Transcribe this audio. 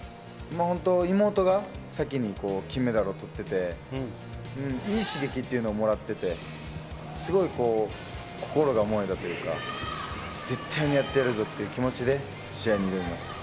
本当、妹が先に金メダルをとってて、いい刺激っていうのをもらってて、すごい心が燃えたというか、絶対にやってやるぞっていう気持ちで試合に挑みました。